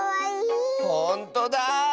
ほんとだ！